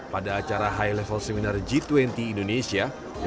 pada acara high level seminar g dua puluh indonesia